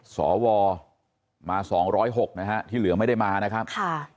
สวมา๒๐๖นะฮะที่เหลือไม่ได้มานะครับค่ะ